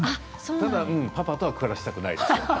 ただパパとは暮らしたくない。